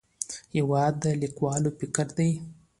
هېواد د لیکوال فکر دی.